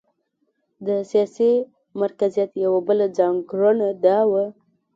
د سیاسي مرکزیت یوه بله ځانګړنه دا وه.